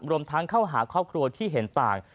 รวมทั้งเข้าหาครอบครัวที่เห็นต่าง